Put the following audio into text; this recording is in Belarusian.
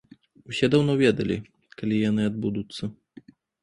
Усе даўно ведалі, калі яны адбудуцца.